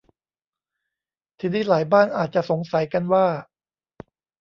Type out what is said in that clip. ทีนี้หลายบ้านอาจจะสงสัยกันว่า